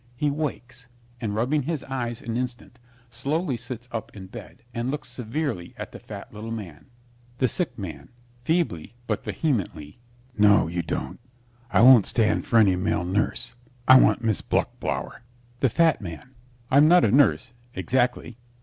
He wakes, and, rubbing his eyes an instant, slowly sits up in bed and looks severely at the fat little man. THE SICK MAN (feebly, but vehemently) No, you don't. I won't stand for any male nurse. I want Miss Bluchblauer. THE FAT MAN I'm not a nurse, exactly.